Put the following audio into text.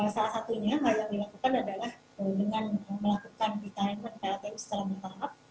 salah satunya yang dilakukan adalah dengan melakukan retirement pelm setelah bertahap